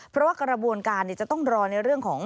เพราะว่ากระบวนการจะต้องรอในเรื่องของ